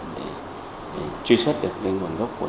để truy xuất được nguồn gốc sản phẩm